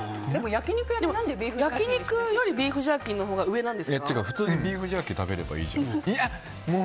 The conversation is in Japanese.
焼き肉よりビーフジャーキーのほうが普通にビーフジャーキーもう！